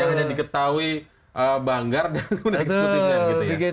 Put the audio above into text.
yang ada di ketawi banggar dan kenaik sekutifnya gitu ya